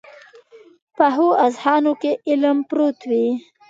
پخو اذهانو کې علم پروت وي